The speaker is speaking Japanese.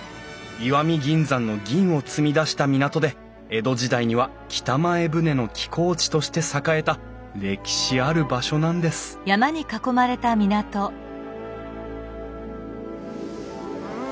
石見銀山の銀を積み出した港で江戸時代には北前船の寄港地として栄えた歴史ある場所なんですうん！